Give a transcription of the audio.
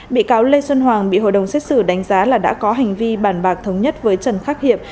bị cáo lê xuân hoàng bị hội đồng xét xử đánh giá là đã có hành vi bàn bạc thống nhất với trần khắc hiệp